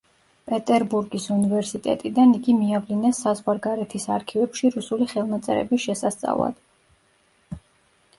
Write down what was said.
პეტერბურგის უნივერსიტეტიდან იგი მიავლინეს საზღვარგარეთის არქივებში რუსული ხელნაწერების შესასწავლად.